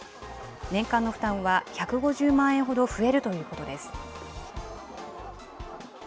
年間の負担は１５０万円ほど増えるということです。